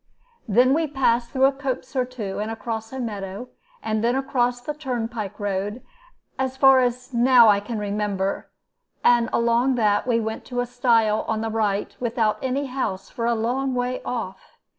"Then we passed through a copse or two, and across a meadow, and then along the turnpike road, as far as now I can remember. And along that we went to a stile on the right, without any house for a long way off.